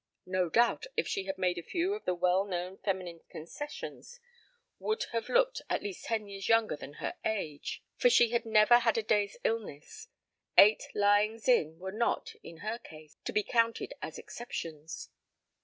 No doubt if she had made a few of the well known feminine concessions would have looked at least ten years younger than her age, for she had never had a day's illness: eight lyings in were not, in her case, to be counted as exceptions.